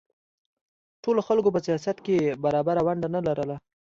ټولو خلکو په سیاست کې برابره ونډه نه لرله.